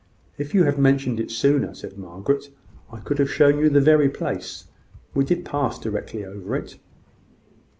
"If you had mentioned it sooner," said Margaret, "I could have shown you the very place. We did pass directly over it."